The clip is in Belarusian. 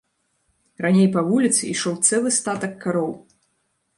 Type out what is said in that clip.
Раней па вуліцы ішоў цэлы статак кароў.